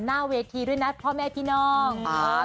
หน้าเวทีด้วยนะพ่อแม่พี่น้อง